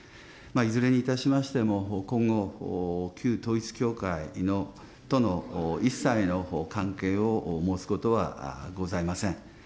いずれにいたしましても、今後、旧統一教会の、との一切の関係を申すことはございません。